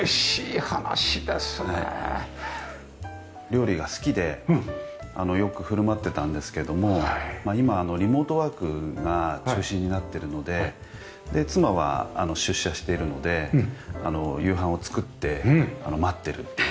料理が好きでよく振る舞ってたんですけども今リモートワークが中心になってるのでで妻は出社しているので夕飯を作って待ってるっていう。